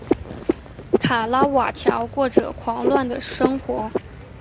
卡拉瓦乔过着狂乱的生活。